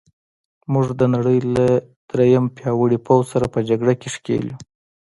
موږ د نړۍ له درېیم پیاوړي پوځ سره په جګړه کې ښکېل یو.